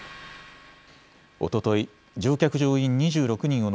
おととい、乗客・乗員２６人を